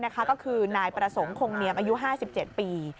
ก็คือนายประสงค์คงเนียมอายุ๕๗ปี